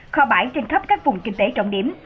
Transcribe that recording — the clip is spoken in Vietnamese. kho bãi trên khắp các vùng kinh tế trọng điểm